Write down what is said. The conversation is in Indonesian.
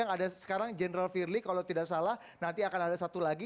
yang ada sekarang general firly kalau tidak salah nanti akan ada satu lagi